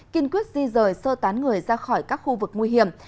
kiên quyết di rời sơ tán người ra khỏi các khu vực nguy hiểm